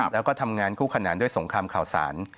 แล้วก็ทำงานคู่ขนานด้วยสงครามข่าวสาร